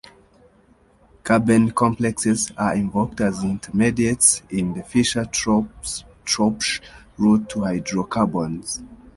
Carbene-complexes are invoked as intermediates in the Fischer-Tropsch route to hydrocarbons.